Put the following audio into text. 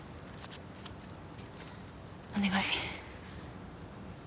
お願い。